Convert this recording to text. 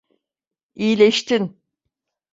İyileştin.